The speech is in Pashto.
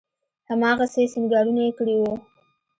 هماغسې سينګارونه يې کړي وو.